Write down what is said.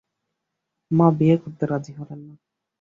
মা বিয়ে করতে রাজি হলেন না।